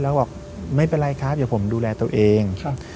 แล้วเขาบอกไม่เป็นไรครับอยากผมดูแลตัวเอง